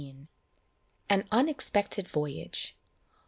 AN UNEXPECTED VOYAGE.